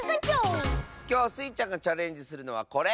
きょうスイちゃんがチャレンジするのはこれ！